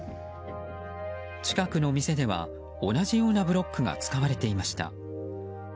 近くの店では同じようなブロックが使われていました。